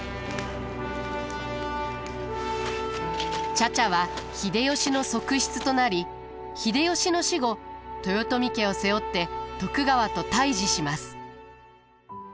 茶々は秀吉の側室となり秀吉の死後豊臣家を背負って徳川と対じします。